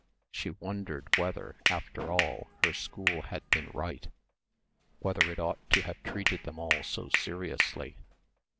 She wondered whether, after all, her school had been right. Whether it ought to have treated them all so seriously.